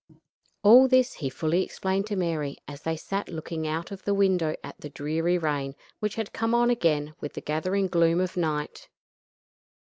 All this he fully explained to Mary, as they sat looking out of the window at the dreary rain which had come on again with the gathering gloom of night.